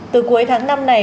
từ cuối tháng năm này